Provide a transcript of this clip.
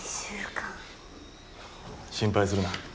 心配するな。